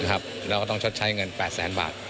แล้วก็ต้องชดใช้เงิน๘แสนบาท